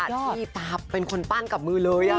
พระที่ตั๊บเป็นคนปั้นกับมือเลยอ่ะ